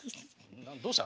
どうした？